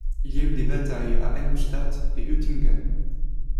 Il y a eu des batailles à Helmstadt et Uettingen.